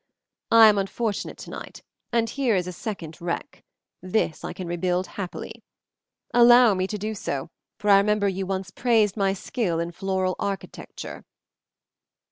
I am unfortunate tonight, and here is a second wreck; this I can rebuild happily. Allow me to do so, for I remember you once praised my skill in floral architecture."